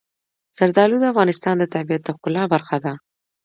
زردالو د افغانستان د طبیعت د ښکلا برخه ده.